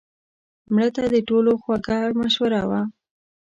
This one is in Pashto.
مړه د ټولو خوږه مشوره وه